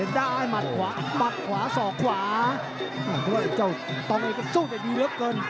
ได้มัดขวาปัดขวาสอกขวาโอ้โหไอ้เจ้าต้องไอ้ก็สู้ได้ดีเยอะเกิน